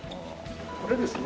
これですね